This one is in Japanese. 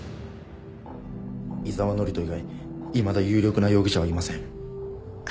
井沢範人以外いまだ有力な容疑者はいません。